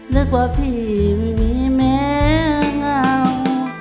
ลึกว่าพี่ไม่มีแม่งาม